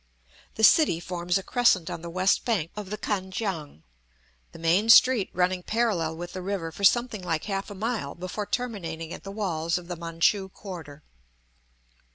The city forms a crescent on the west bank of the Kan kiang, the main street running parallel with the river for something like half a mile before terminating at the walls of the Manchu quarter.